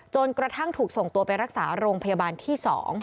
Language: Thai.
จนกระทั่งถูกส่งตัวไปรักษาโรงพยาบาลที่๒